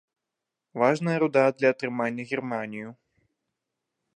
Важная руда для атрымання германію.